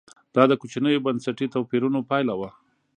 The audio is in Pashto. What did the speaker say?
دا د کوچنیو بنسټي توپیرونو پایله وه.